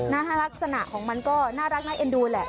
ลักษณะของมันก็น่ารักน่าเอ็นดูแหละ